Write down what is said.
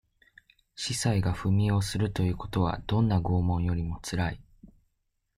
司祭が踏み絵をするということは、どんな拷問よりも辛い。